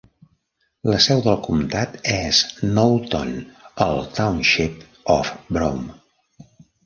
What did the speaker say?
La seu del comtat és Knowlton, al Township of Brome.